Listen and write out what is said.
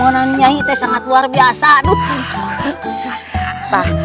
nyai tuh sangat luar biasa